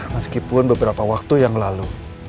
meskipun beberapa waktu yang lalu